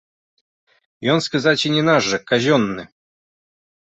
Ён, сказаць, і не наш жа, казённы.